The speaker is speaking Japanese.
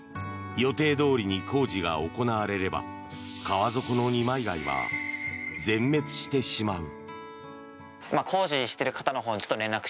予定どおりに工事が行われれば川底の二枚貝は全滅してしまう。